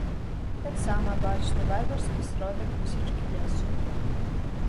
Таксама бачны варварскі сродак высечкі лесу.